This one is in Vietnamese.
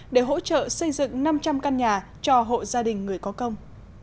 để hỗ trợ xây dựng năm trăm linh căn nhà cho hộ gia đình người có công